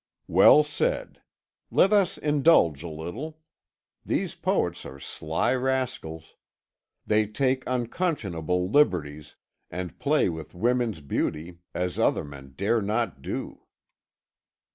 "Well said. Let us indulge a little. These poets are sly rascals. They take unconscionable liberties, and play with women's beauty as other men dare not do."